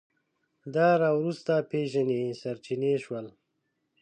د راوروسته پېژندنې سرچینې شول